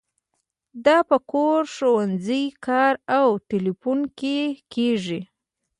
دا په کور، ښوونځي، کار او تیلیفون کې کیږي.